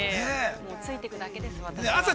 ついていくだけです私は。